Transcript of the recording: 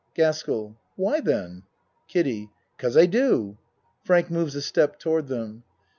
GASKELL Why, then? KIDDIE Cause I do. (Frank moves a step toward them.)